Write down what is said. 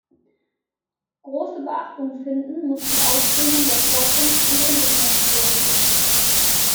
Große Beachtung finden muss die Ausdehnung der Forschungs- und Entwicklungsprojekte.